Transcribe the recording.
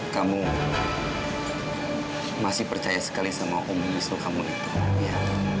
kamu masih percaya sekali sama umum miso kamu itu ya